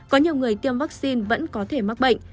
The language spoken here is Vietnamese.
có nhiều người tiêm vaccine vẫn có thể mắc bệnh